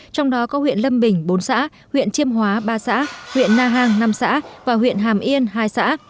trong đó có huyện lâm bình bốn xã huyện chiêm hóa ba xã huyện na hàng năm xã và huyện hàm yên hai xã